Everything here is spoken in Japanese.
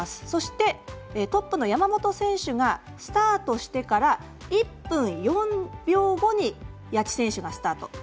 そして、トップの山本選手がスタートしてから１分４秒後に谷地選手がスタート。